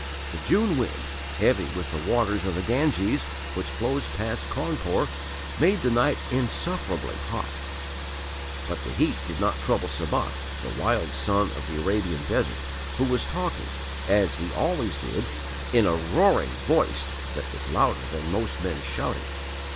The June wind, heavy with the waters of the Ganges which flows past Cawnpore, made the night insufferably hot. But the heat did not trouble Sabat, the wild son of the Arabian desert, who was talking as he always did in a roaring voice that was louder than most men's shouting.